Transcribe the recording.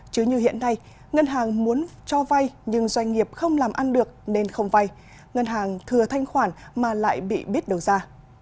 chứ như hiện nay ngân hàng muốn cho vay nhưng doanh nghiệp không làm ăn được nên không vay ngân hàng thừa thanh khoản mà lại bị biết đầu ra